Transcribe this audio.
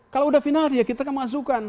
kalau sudah penalti ya kita masukkan